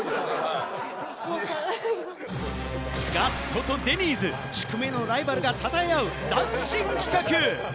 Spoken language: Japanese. ガストとデニーズ、宿命のライバルが称えあう、斬新企画。